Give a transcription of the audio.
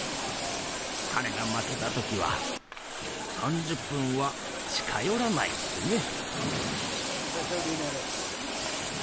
彼が負けた時は３０分は近寄らないってね。